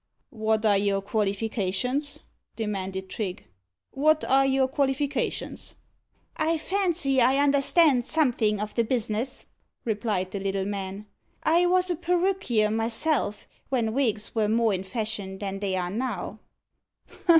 "What are your qualifications?" demanded Trigge "what are your qualifications?" "I fancy I understand something of the business," replied the little man. "I was a perruquier myself, when wigs were more in fashion than they are now."